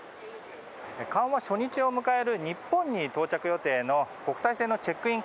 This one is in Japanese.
緩和初日を迎える日本に到着予定の国際線のチェックイン